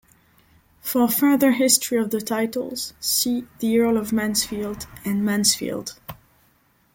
For further history of the titles, see the Earl of Mansfield and Mansfield.